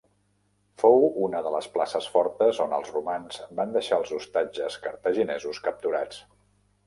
Fou una de les places fortes on els romans van deixar els ostatges cartaginesos capturats.